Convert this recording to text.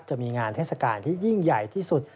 จะมีงานเทศกาลที่ยิ่งใหญ่ที่สุด